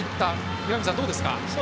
岩水さん、どうですか。